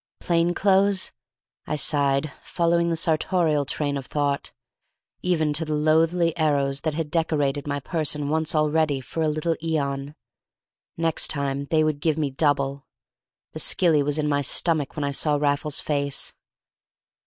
"Plain clothes?" I sighed, following the sartorial train of thought, even to the loathly arrows that had decorated my person once already for a little aeon. Next time they would give me double. The skilly was in my stomach when I saw Raffles's face.